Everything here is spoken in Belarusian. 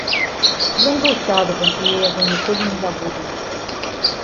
Ён быў сябрам, і я яго ніколі не забуду.